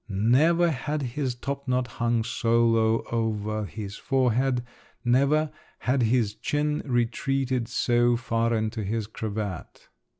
Never had his topknot hung so low over his forehead, never had his chin retreated so far into his cravat!